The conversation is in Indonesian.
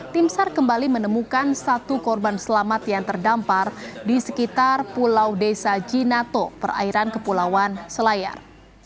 tim sar kembali menemukan satu korban selamat yang terdampar di sekitar pulau desa jinato perairan kepulauan selayar